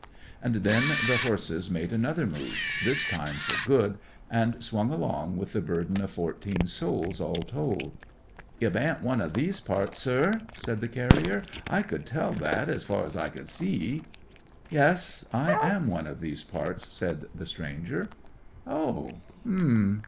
And then the horses made another move, this time for good, and swung along with their burden of fourteen souls all told. 'You bain't one of these parts, sir?' said the carrier. 'I could tell that as far as I could see 'ee.' 'Yes, I am one of these parts,' said the stranger. 'Oh? H'm.